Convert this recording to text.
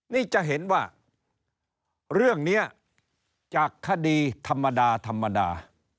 นี่จะเห็นว่าเรื่องนี้จากคดีธรรมดาธรรมดา